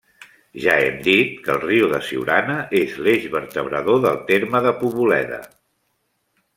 Ja hem dit que el riu de Siurana és l'eix vertebrador del terme de Poboleda.